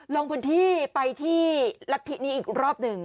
ลงพื้นที่ไปที่รัฐธินี้อีกรอบหนึ่ง